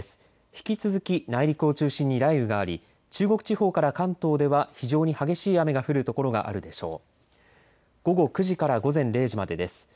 引き続き内陸を中心に雷雨があり中国地方から関東では非常に激しい雨が降る所があるでしょう。